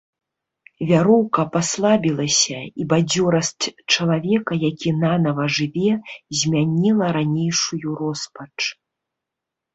Вяроўка паслабілася, і бадзёрасць чалавека, які нанава жыве, змяніла ранейшую роспач.